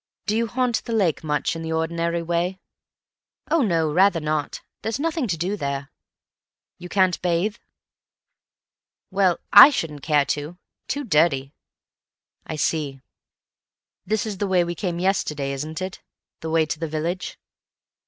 Do you haunt the lake much in the ordinary way?" "Oh, no, rather not. There's nothing to do there." "You can't bathe?" "Well, I shouldn't care to. Too dirty." "I see.... This is the way we came yesterday, isn't it? The way to the village?"